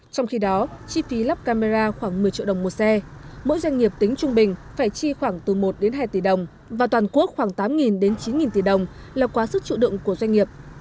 trong khi đó chi phí lắp camera khoảng một mươi triệu đồng một xe mỗi doanh nghiệp tính trung bình phải chi khoảng từ một đến hai tỷ đồng và toàn quốc khoảng tám đến chín tỷ đồng là quá sức trụ đựng của doanh nghiệp